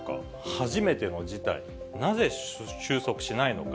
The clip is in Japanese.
初めての事態、なぜ収束しないのか。